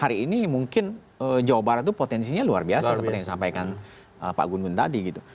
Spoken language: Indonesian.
hari ini mungkin jawa barat itu potensinya luar biasa seperti yang disampaikan pak gun gun tadi gitu